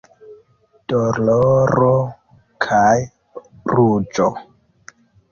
Doloro kaj ruĝo.